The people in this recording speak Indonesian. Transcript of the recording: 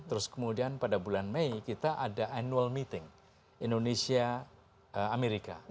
terus kemudian pada bulan mei kita ada annual meeting indonesia amerika